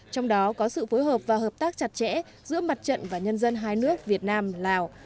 trong đó có sự phối hợp và hợp tác chặt chẽ giữa mặt trận và nhân dân hai nước việt nam lào